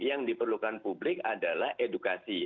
yang diperlukan publik adalah edukasi